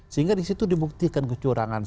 sehingga disitu dibuktikan kecurangan